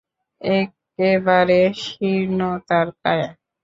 একেবারে শীর্ণ তাঁর কায়া।